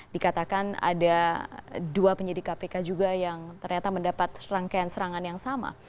dikatakan ada dua penyidik kpk juga yang ternyata mendapat rangkaian serangan yang sama